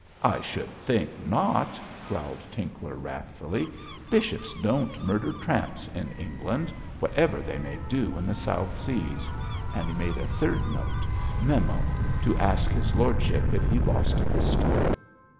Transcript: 'I should think not!' growled Tinkler, wrathfully. 'Bishops don't murder tramps in England, whatever they may do in the South Seas!' and he made a third note, 'Memo. To ask his lordship if he lost a pistol.'